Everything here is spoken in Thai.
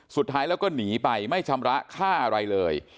สุดท้ายแล้วก็หนีไปไม่ชำระค่าอะไรเลย